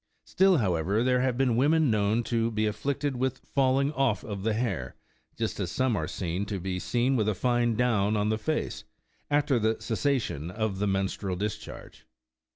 Still however, there have been women known to be afflicted with falling off of the hair, just as some are to be seen with a fine down on the face, after the cessation of the menstrual discharge.